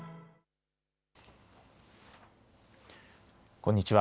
こんにちは。